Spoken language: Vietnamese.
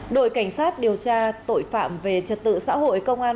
đội cảnh sát điều tra tội phạm về trật tự xã hội công an